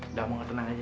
udah mau gak tenang aja